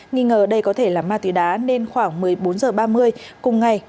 nghĩ đây có thể là ma tủy đá nên khoảng một mươi bốn h ba mươi cùng ngày